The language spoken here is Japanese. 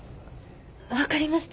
分かりました。